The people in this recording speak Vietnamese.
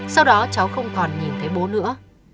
sau đó cháu không còn nhìn thấy bố nữa